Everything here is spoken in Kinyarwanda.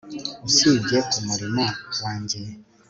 usibye kumurimo wanjye